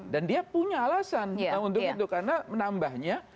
dan dia punya alasan untuk menambahnya